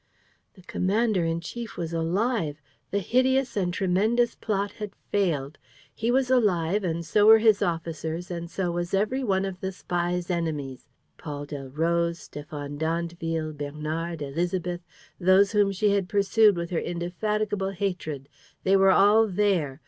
The commander in chief was alive! The hideous and tremendous plot had failed! He was alive and so were his officers and so was every one of the spy's enemies. Paul Delroze, Stéphane d'Andeville, Bernard, Élisabeth, those whom she had pursued with her indefatigable hatred: they were all there!